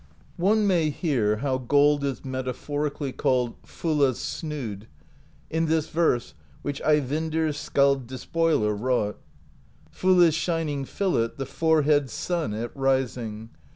"One may hear how gold is metaphorically called Fulla's Snood, in this verse which Eyvindr Skald Despoiler wrought: Fulla's shining Fillet, The forehead's sun at rising.